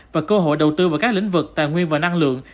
và cơ hội đầu tư vào các lĩnh vực tài nguyên và năng lượng